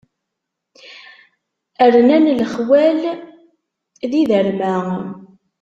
Rnan lexwal d yiderma.